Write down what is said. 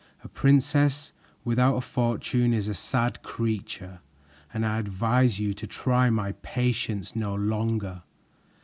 A princess without a fortune is a sad creature, and I advise you to try my patience no longer."